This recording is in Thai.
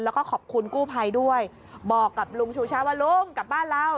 แล้วก็ขอบคุณกู้ภัยด้วยบอกกับลุงชูชาติว่าลุงกลับบ้านเรา